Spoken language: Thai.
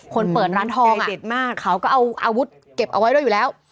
เปิดร้านทองเด็ดมากเขาก็เอาอาวุธเก็บเอาไว้ด้วยอยู่แล้ว